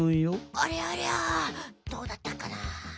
ありゃりゃどうだったかなあ？